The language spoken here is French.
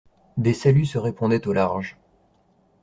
Des saluts se répondaient au large.